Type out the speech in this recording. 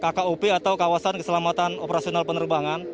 kkop atau kawasan keselamatan operasional penerbangan